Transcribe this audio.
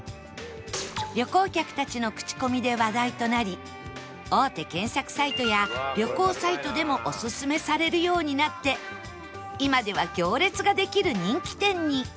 旅行客たちの口コミで話題となり大手検索サイトや旅行サイトでもオススメされるようになって今では行列ができる人気店に